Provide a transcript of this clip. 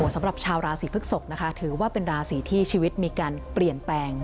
สำหรับชาวราศีพฤกษกนะคะถือว่าเป็นราศีที่ชีวิตมีการเปลี่ยนแปลง